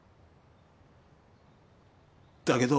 だけど。